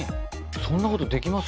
そんなことできます？